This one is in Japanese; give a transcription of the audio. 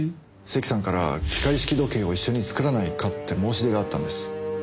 関さんから機械式時計を一緒に作らないかって申し出があったんです。